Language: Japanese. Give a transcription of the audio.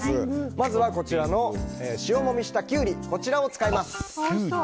まず、塩もみしたキュウリを使います。